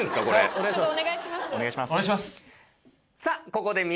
お願いします。